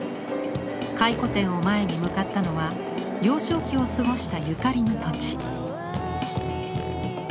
回顧展を前に向かったのは幼少期を過ごしたゆかりの土地。